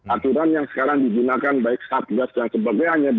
aturan yang sekarang digunakan baik satgas dan sebagainya